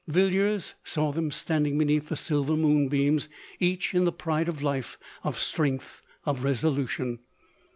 Villiers saw them stand in« beneath the silver moonbeams, each in the pride of life, of strength, of resolution.